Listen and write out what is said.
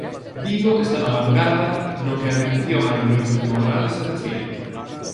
Vigo está na vangarda no que á atención á improvisación oral se refire.